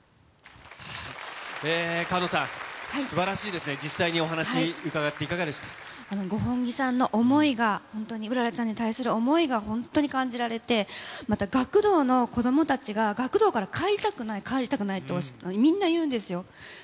菅野さん、すばらしいですね、五本木さんの想いが、本当に麗ちゃんに対する想いが本当に感じられて、また学童の子どもたちが、学童から帰りたくない、帰りたくないとみんな言うんですよ。